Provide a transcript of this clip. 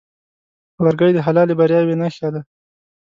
لرګی د حلالې بریاوې نښه ده.